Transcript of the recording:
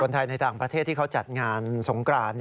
ในต่างประเทศที่เขาจัดงานสงกราน